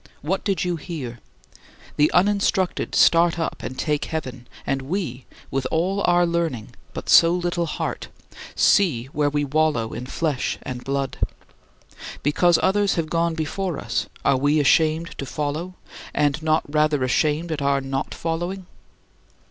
What did you hear? The uninstructed start up and take heaven, and we with all our learning but so little heart see where we wallow in flesh and blood! Because others have gone before us, are we ashamed to follow, and not rather ashamed at our not following?"